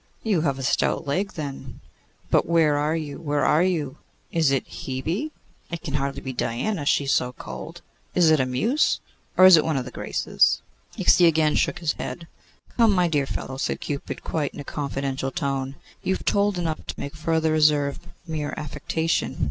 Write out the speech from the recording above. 'You have a stout leg, then. But where are you, where are you? Is it Hebe? It can hardly be Diana, she is so cold. Is it a Muse, or is it one of the Graces?' Ixion again shook his head. 'Come, my dear fellow,' said Cupid, quite in a confidential tone, 'you have told enough to make further reserve mere affectation.